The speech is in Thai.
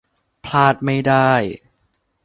พลาดไม่ได้ !